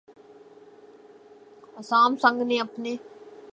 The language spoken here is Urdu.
اسام سنگ نے اپنے